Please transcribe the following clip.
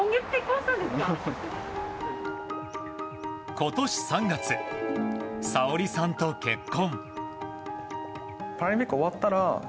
今年３月、紗欧里さんと結婚。